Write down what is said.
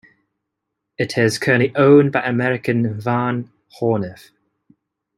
It is currently owned by American Van Horneff.